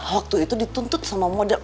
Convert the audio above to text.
waktu itu dituntut sama model